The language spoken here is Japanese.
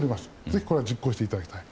ぜひこれは実行していただきたい。